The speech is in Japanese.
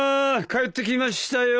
帰ってきましたよ。